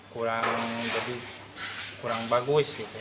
kurang jadi kurang bagus gitu